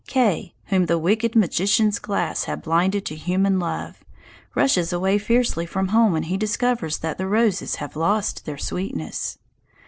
Kay, whom the wicked magician's glass has blinded to human love, rushes away fiercely from home when he discovers that the roses have lost their sweetness.